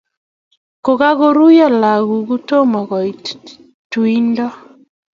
kokakoruyo lagok kotomo ko it tuindo